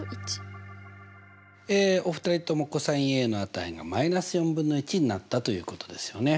お二人ともｃｏｓＡの値が−４分の１になったということですよね。